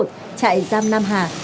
trại giam nam hà